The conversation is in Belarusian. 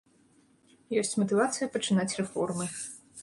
Ёсць матывацыя пачынаць рэформы.